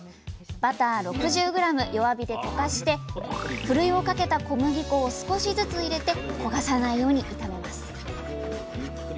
バター６０ｇ弱火で溶かしてふるいをかけた小麦粉を少しずつ入れて焦がさないように炒めます。